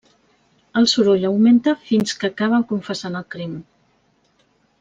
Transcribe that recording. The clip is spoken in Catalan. El soroll augmenta fins que acaba confessant el crim.